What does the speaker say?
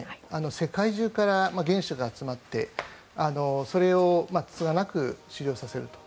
世界中から元首が集まってそれをつつがなく終了させると。